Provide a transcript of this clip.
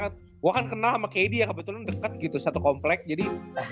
gua kan kenal sama kd ya kebetulan deket gitu satu komplek jadi